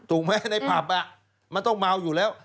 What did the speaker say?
ถูกไหมในผับมันต้องเมาอยู่แล้ว